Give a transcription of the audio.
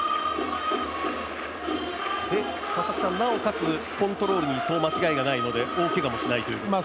なおかつ、コントロールにそう間違いがないので大けがもしないという。